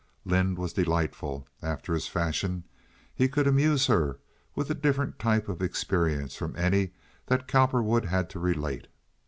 Lynde was delightful, after his fashion. He could amuse her with a different type of experience from any that Cowperwood had to relate.